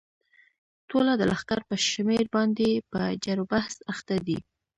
ټوله د لښکر پر شمېر باندې په جرو بحث اخته دي.